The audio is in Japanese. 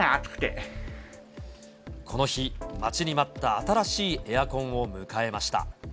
この日、待ちに待った新しいエアコンを迎えました。